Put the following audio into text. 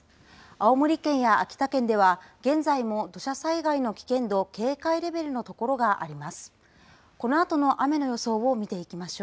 青森県や秋田県では現在も土砂災害の危険度警戒レベルの所があります。